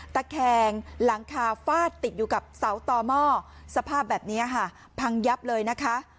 ตะแคงหลังคาฟาดติดอยู่กับเสาต่อหม้อสภาพแบบนี้ค่ะพังยับเลยนะคะ